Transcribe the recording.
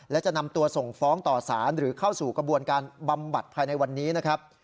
และจะนำตัวส่งฟ้องต่อสารหรือเข้าสู่กระบวนการบำบัดภายในวันนี้นะครับ